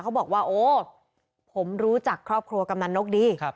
เขาบอกว่าโอ้ผมรู้จักครอบครัวกำนันนกดี